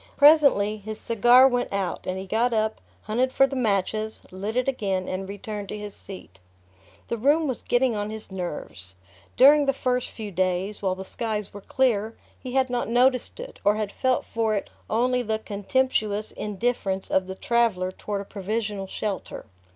Presently his cigar went out, and he got up, hunted for the matches, lit it again and returned to his seat. The room was getting on his nerves. During the first few days, while the skies were clear, he had not noticed it, or had felt for it only the contemptuous indifference of the traveller toward a provisional shelter.